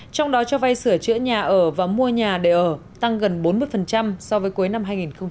trong đó cho vay sửa chữa nhà ở và mua nhà để ở tăng gần bốn mươi so với cuối năm hai nghìn một mươi chín